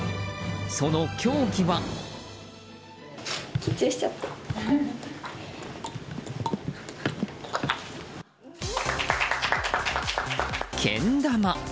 その競技は。けん玉。